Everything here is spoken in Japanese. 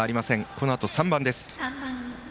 このあと、３番です。